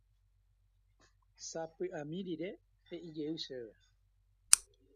Sapy'ami rire he'ijey chéve.